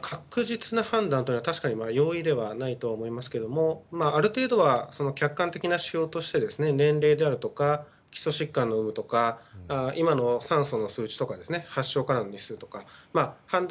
確実な判断というのは確かに容易ではないと思いますけどもある程度は客観的な指標として年齢であるとか基礎疾患であるとか今の酸素の数値とか発症からの日数とか判断